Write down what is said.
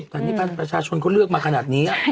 แต่นี่ประชาชนเขาเลือกมาขนาดนี้